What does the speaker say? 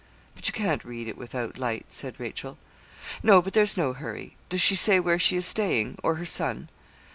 'But you can't read it without light,' said Rachel. 'No; but there's no hurry. Does she say where she is staying, or her son?'